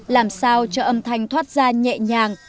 làm sao cho âm thanh thoát ra nhẹ nhàng